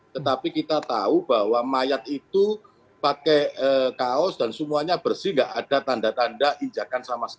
tetapi kita tahu bahwa mayat itu pakai kaos dan semuanya bersih nggak ada tanda tanda injakan sama sekali